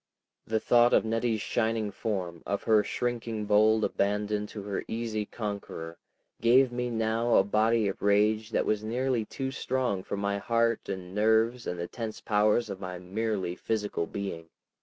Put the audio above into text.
.. The thought of Nettie's shining form, of her shrinking bold abandon to her easy conqueror, gave me now a body of rage that was nearly too strong for my heart and nerves and the tense powers of my merely physical being.